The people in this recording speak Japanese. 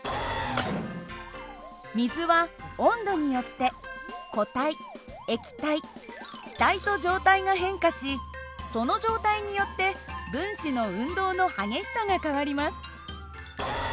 水は温度によって固体液体気体と状態が変化しその状態によって分子の運動の激しさが変わります。